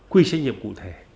quy trách nhiệm cụ thể